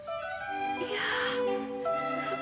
いや。